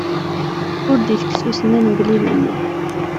Ur d-itekkes usennan mebla idammen.